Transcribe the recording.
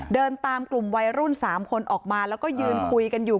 เดินตามกลุ่มวัยรุ่น๓คนออกมาแล้วก็ยืนคุยกันอยู่